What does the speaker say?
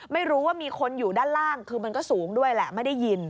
ไม่รู้ว่ามีคนอยู่ด้านล่างคือมันก็สูงด้วยแหละไม่ได้ยิน